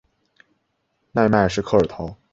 奈迈什科尔陶。